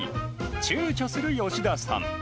ちゅうちょする吉田さん。